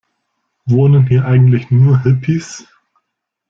Wohnen hier eigentlich nur Hippies?